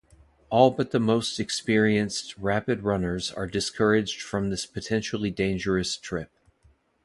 All but the most experienced rapid runners are discouraged from this potentially dangerous trip.